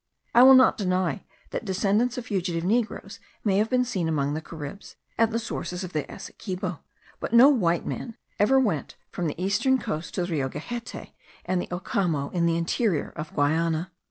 I will not deny that descendants of fugitive negroes may have been seen among the Caribs, at the sources of the Essequibo; but no white man ever went from the eastern coast to the Rio Gehette and the Ocamo, in the interior of Guiana.